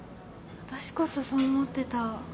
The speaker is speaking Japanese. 私こそそう思ってた。